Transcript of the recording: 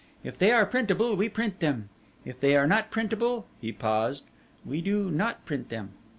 If they are printable, we print them; if they are not printable" he paused "we do not print them.